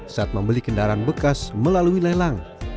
saat membeli kendaraan bekas melalui lelang